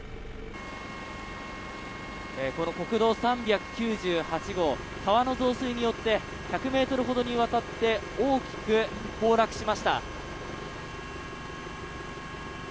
国道３９８号川の増水によって１００ｍほどにわたって大きく崩落しました。